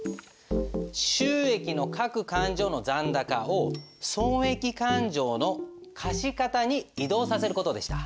収益の各勘定の残高を損益勘定の貸方に移動させる事でした。